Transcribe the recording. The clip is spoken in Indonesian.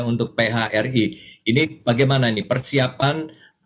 untuk phri ini bagaimana nih persiapan